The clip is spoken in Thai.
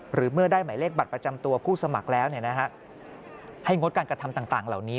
หรือเมื่อได้หมายเลขบัตรประจำตัวผู้สมัครแล้วให้งดการกระทำต่างเหล่านี้